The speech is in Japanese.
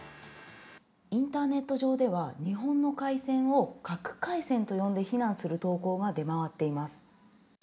インターネット上では、日本の海鮮を核海鮮と呼んで非難する投稿が出回っています。